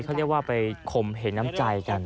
เขาเรียกว่าไปคมเห็นน้ำใจกัน